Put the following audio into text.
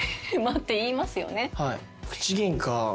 って言いますよね。